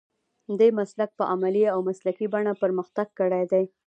دې مسلک په عملي او مسلکي بڼه پرمختګ کړی دی.